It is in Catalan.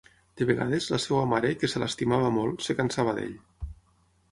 De vegades, la seva mare, que se l'estimava molt, es cansava d'ell.